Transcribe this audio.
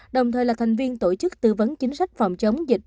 đồng thời là thành viên tổ chức tư vấn chính sách phòng chống dịch